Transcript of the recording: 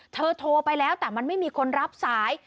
โทรไปแล้วแต่มันไม่มีคนรับสาย